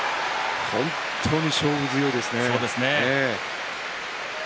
本当に勝負強いですね。